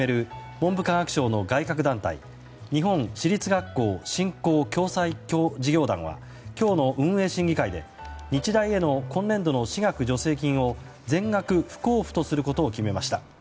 文部科学省の外郭団体日本私立学校振興・共済事業団は今日の運営審議会で日大への今年度の私学助成金を全額不交付とすることを決めました。